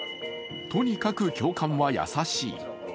とにかく教官は優しい。